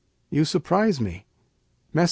You surprise me. Mess.